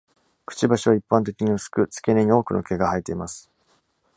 くちばしは一般的に薄く、付け根に多くの毛が生えています。